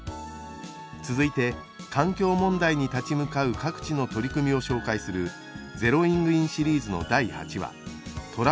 続いて環境問題に立ち向かう各地の取り組みを紹介する「ＺｅｒｏｉｎｇＩｎ」シリーズの第８話